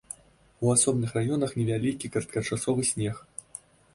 У асобных раёнах невялікі кароткачасовы снег.